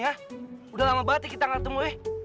sudah lama kita tidak bertemu